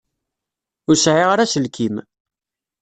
Ur sɛiɣ ara aselkim.